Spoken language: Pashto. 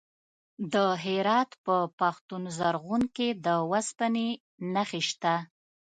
د هرات په پښتون زرغون کې د وسپنې نښې شته.